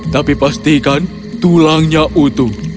tapi pastikan tulangnya utuh